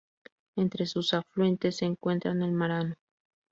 Entre sus afluentes se encuentran el Marano.